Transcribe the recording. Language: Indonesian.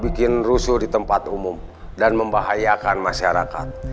bikin rusuh di tempat umum dan membahayakan masyarakat